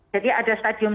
jadi ada stadium satu